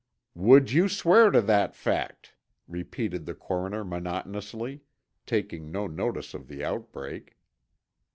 "Would you swear to that fact?" repeated the coroner monotonously, taking no notice of the outbreak.